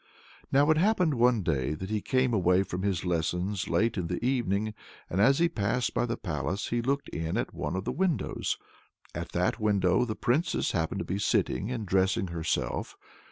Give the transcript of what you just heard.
Now it happened one day that he came away from his lessons late in the evening, and as he passed by the palace he looked in at one of the windows. At that window the Princess happened to be sitting and dressing herself.